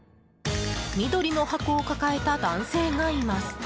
緑の箱を抱えた男性がいます。